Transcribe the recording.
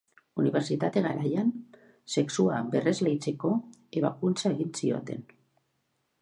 Unibertsitate-garaian sexua berresleitzeko ebakuntza egin zioten.